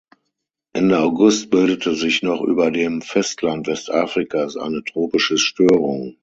Ende August bildete sich noch über dem Festland Westafrikas eine tropische Störung.